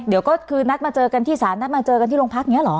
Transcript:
เดี๋ยวก็คือนัดมาเจอกันที่ศาลนัดมาเจอกันที่โรงพักอย่างนี้เหรอ